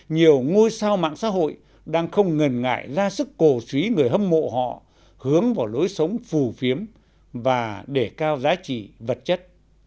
nhiều ngôi sao mạng xã hội đang không ngần ngại ra sức cổ suý người hâm mộ họ hướng vào lối sống phù phiếm và để cao giá trị vật chất